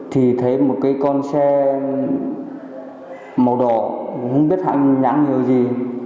thì thấy một cái con xe màu đỏ không biết hãy nhãn nhiều gì